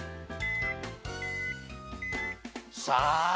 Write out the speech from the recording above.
さあ。